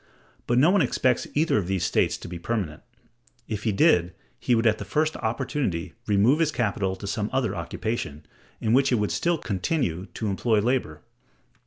But no one expects either of these states to be permanent; if he did, he would at the first opportunity remove his capital to some other occupation, in which it would still continue to employ labor.